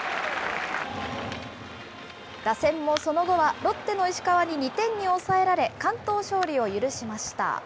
打線もその後はロッテの石川に２点に抑えられ、完投勝利を許しました。